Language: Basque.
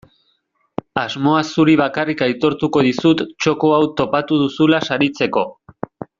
Asmoa zuri bakarrik aitortuko dizut txoko hau topatu duzula saritzeko.